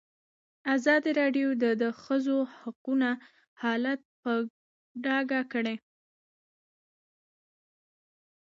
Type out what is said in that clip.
ازادي راډیو د د ښځو حقونه حالت په ډاګه کړی.